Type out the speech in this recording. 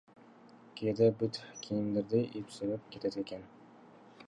Кээде бут кийимдерди ит сүйрөп кетет экен.